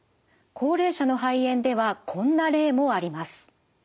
高齢者の肺炎ではこんな例もあります。